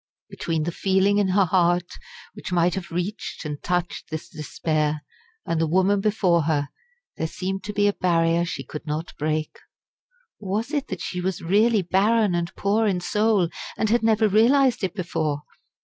Between the feeling in her heart which might have reached and touched this despair, and the woman before her, there seemed to be a barrier she could not break. Or was it that she was really barren and poor in soul, and had never realised it before?